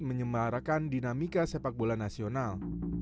menyemarakan dinamika sepak bola nasional